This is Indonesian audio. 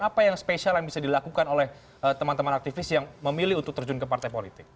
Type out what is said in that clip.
apa yang spesial yang bisa dilakukan oleh teman teman aktivis yang memilih untuk terjun ke partai politik